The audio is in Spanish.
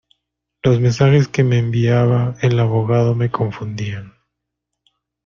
Los mensajes que me enviaba el abogado me confundían.